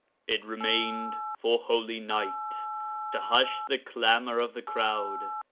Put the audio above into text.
It remained for Holy Night to hush the clamour of the crowd.